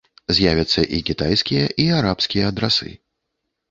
З'явяцца і кітайскія, і арабскія адрасы.